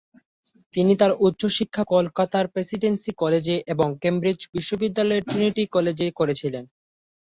তিনি তাঁর উচ্চশিক্ষা কলকাতার প্রেসিডেন্সি কলেজে এবং কেমব্রিজ বিশ্ববিদ্যালয়ের ট্রিনিটি কলেজে করেছিলেন।